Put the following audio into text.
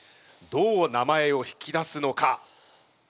どう名前を引き出すのか？